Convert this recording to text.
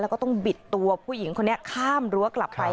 แล้วก็ต้องบิดตัวผู้หญิงคนนี้ข้ามรั้วกลับไป